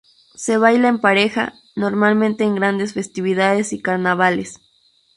Se baila en pareja, normalmente en grandes festividades y carnavales.